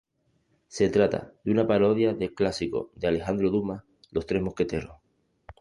Se trata de una parodia del clásico de Alejandro Dumas, "Los tres mosqueteros".